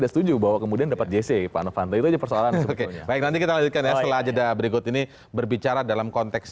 setuju bahwa kemudian dapat jc pan fanta itu persoalan sebetulnya berbicara dalam konteks